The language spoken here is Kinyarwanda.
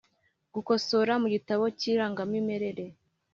gukosora mu gitabo cy irangamimirere